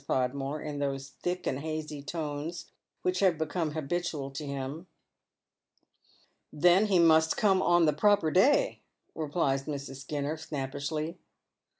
Podmore, in those thick and hazy tones which liaT« Decome habitual to him. " Then he must come on the proper day," replies Mrs. Skinner, snappishly.